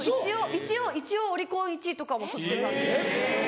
一応一応オリコン１位とかも取ってたんです。